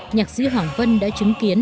nhạc sĩ hoàng vân đã chứng kiến